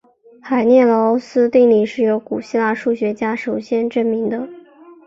梅涅劳斯定理是由古希腊数学家首先证明的。